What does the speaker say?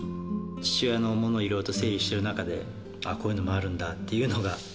父親のものをいろいろと整理している中で、こういうのもあるんだっていうのが。